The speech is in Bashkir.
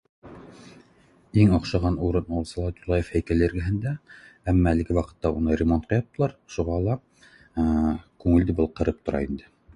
Иң оҡшаған урын ул Салауат Юлаев һәйкәле эргәһендә әммә әлеге ваҡытта уны ремонтҡа яптылар шуға ла ээ күңелде был ҡырып тора инде